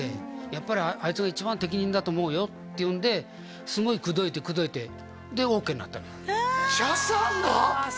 「やっぱりあいつが一番適任だと思うよ」っていうんですごい口説いて口説いてでオーケーになったの茶さんが？